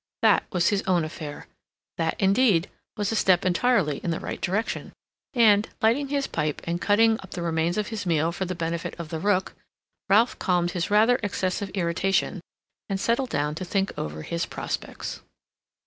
That was his own affair; that, indeed, was a step entirely in the right direction, and, lighting his pipe, and cutting up the remains of his meal for the benefit of the rook, Ralph calmed his rather excessive irritation and settled down to think over his prospects.